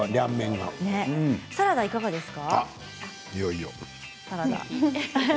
サラダいかがですか。